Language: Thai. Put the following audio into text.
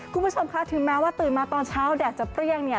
คุณผู้ชมคะถึงแม้ว่าตื่นมาตอนเช้าแดดจะเปรี้ยงเนี่ย